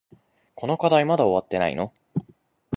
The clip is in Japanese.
この課題まだ終わってないの？